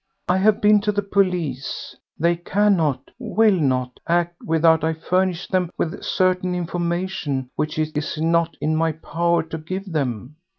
I have been to the police; they cannot—will not—act without I furnish them with certain information which it is not in my power to give them.